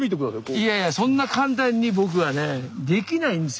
いやいやそんな簡単に僕はねできないんですよ